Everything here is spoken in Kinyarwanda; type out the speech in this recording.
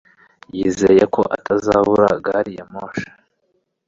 yizeye ko atazabura gari ya moshi